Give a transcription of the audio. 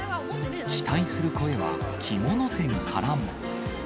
期待する声は着物店からも。